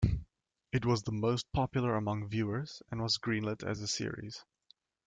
It was the most popular among viewers, and was greenlit as a series.